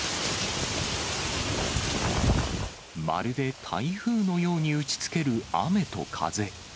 まるで台風のように打ちつける雨と風。